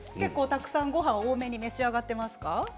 ごはん、多めに召し上がっていますか。